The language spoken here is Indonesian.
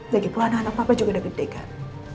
lagipun anak anak papa juga udah gede kan